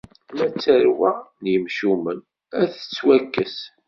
Ma d tarwa n yimcumen, ad tettwakkes.